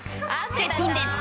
［絶品です］